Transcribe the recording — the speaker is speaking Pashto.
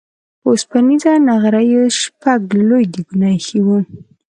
په اوسپنيزو نغريو شپږ لوی ديګونه اېښي وو.